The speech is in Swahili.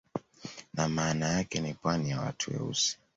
Na maana yake ni pwani ya watu weusi